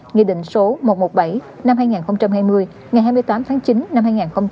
nghị định số một trăm một mươi bảy năm hai nghìn hai mươi ngày hai mươi tám tháng chín năm hai nghìn hai mươi